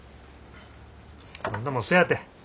今度もそやて。